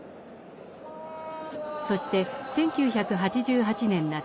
そして１９８８年夏。